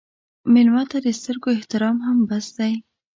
مېلمه ته د سترګو احترام هم بس دی.